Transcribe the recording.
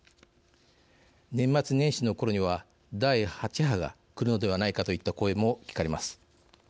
年末年始のころには第８波が来るのではないかといった声も聞かれます。